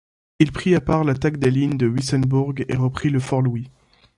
Il prit part à l'attaque des lignes de Wissembourg et reprit le Fort-Louis.